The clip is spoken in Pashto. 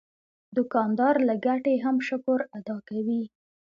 دوکاندار له ګټې هم شکر ادا کوي.